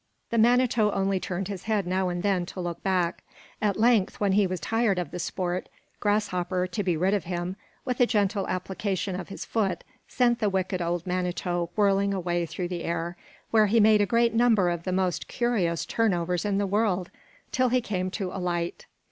The Manito only turned his head now and then to look back. At length when he was tired of the sport, Grasshopper, to be rid of him, with a gentle application of his foot sent the wicked old Manito whirling away through the air, where he made a great number of the most curious turn overs in the world till he came to alight.